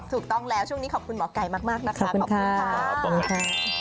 ถูกต้องแล้วช่วงนี้ขอบคุณหมอไก่มากนะคะขอบคุณค่ะขอบคุณค่ะ